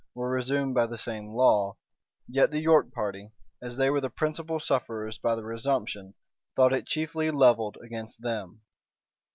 were resumed by the same law, yet the York party, as they were the principal sufferers by the resumption, thought it chiefly levelled against them.